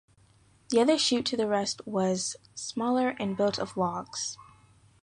The other chute to the west was smaller and built out of logs.